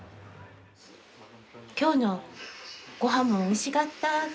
「今日のごはんもおいしかった。